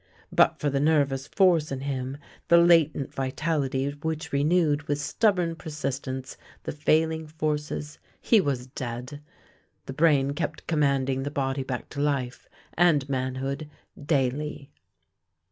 But for the nervous force in him, the latent vitality which renewed with stubborn persis tence the failing forces, he was dead. The brain kept commanding the body back to life and man hood daily.